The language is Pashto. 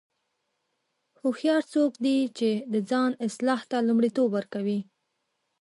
هوښیار څوک دی چې د ځان اصلاح ته لومړیتوب ورکوي.